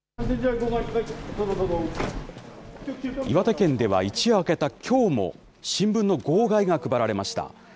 岩手県では一夜明けたきょうも新聞の号外が配られました。